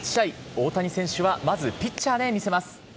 大谷選手はまずピッチャーで見せます。